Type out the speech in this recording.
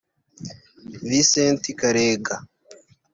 Vincent Karega